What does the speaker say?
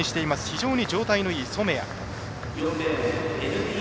非常に状態のいい染谷。